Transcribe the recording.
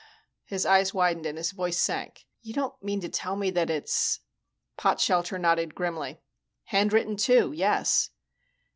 His eyes widened and his voice sank. "You don't mean to tell me that it's " Potshelter nodded grimly. "Hand written, too. Yes."